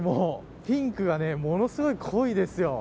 ピンクがものすごい濃いですよ。